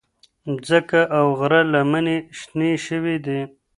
مځکه او غره لمنې شنې شوې دي.